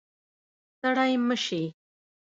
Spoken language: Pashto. ستړی مه شې